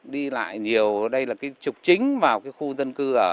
đi lại nhiều đây là cái trục chính vào cái khu dân cư ở